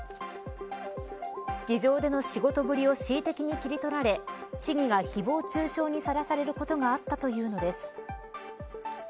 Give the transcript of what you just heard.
議場での仕事ぶりを恣意的に切り取られ市議がひぼう中傷にさらされることがあったというのです。